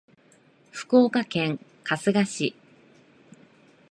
福岡県春日市